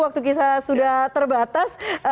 waktu kita sudah terbatas